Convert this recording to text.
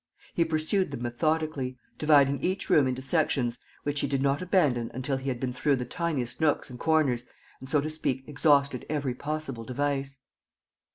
He pursued them methodically, dividing each room into sections which he did not abandon until he had been through the tiniest nooks and corners and, so to speak, exhausted every possible device.